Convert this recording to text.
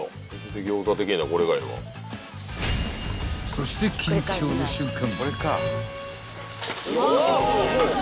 ［そして緊張の瞬間］